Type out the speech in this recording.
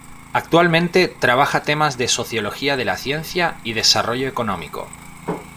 Actualmente trabaja temas de Sociología de la Ciencia y Desarrollo Económico.